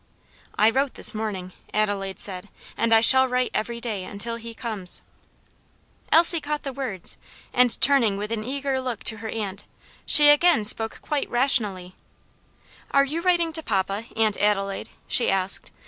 "I wrote this morning," Adelaide said, "and I shall write every day until he comes." Elsie caught the words, and turning with an eager look to her aunt, she again spoke quite rationally, "Are you writing to papa, Aunt Adelaide?" she asked.